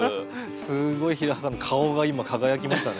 すごい平畠さんの顔が今輝きましたね。